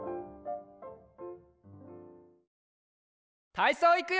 たいそういくよ！